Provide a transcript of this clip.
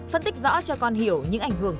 phân tích rõ cho con hiểu những ảnh hưởng